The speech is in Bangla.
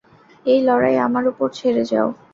এই লড়াই আমার উপর ছেড়ে যাও।